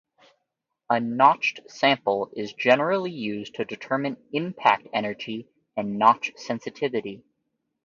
A notched sample is generally used to determine impact energy and notch sensitivity.